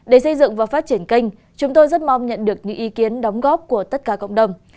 để xây dựng và phát triển kênh chúng tôi rất mong nhận được những ý kiến đóng góp của tất cả cộng đồng